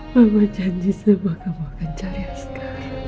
mama janji sama kamu akan cari azkar